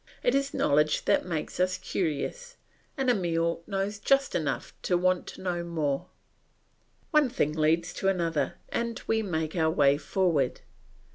It is knowledge that makes us curious; and Emile knows just enough to want to know more. One thing leads on to another, and we make our way forward.